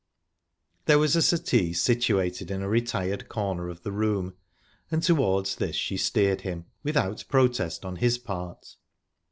There was a settee situated in a retired corner of the room, and towards this she steered him, without protest on his part.